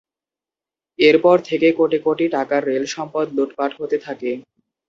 এরপর থেকে কোটি কোটি টাকার রেল সম্পদ লুটপাট হতে থাকে।